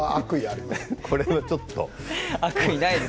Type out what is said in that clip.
これはちょっと。